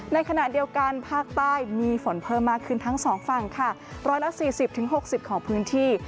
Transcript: ในขณะเดียวกันภาคใต้มีฝนเพิ่มมากขึ้นทั้งสองฝั่งค่ะ๑๔๐๖๐ของพื้นที่